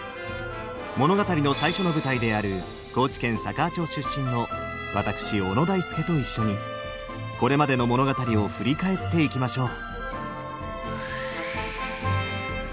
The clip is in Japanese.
物語の最初の舞台である高知県佐川町出身の私小野大輔と一緒にこれまでの物語を振り返っていきましょう。